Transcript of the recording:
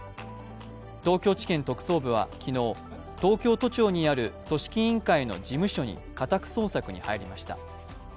東京地検特捜部は昨日、東京都庁にある組織委員会の事務所に家宅捜索に入りました。